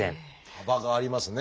幅がありますね。